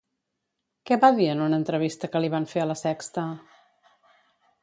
Què va dir en una entrevista que li van fer a La Sexta?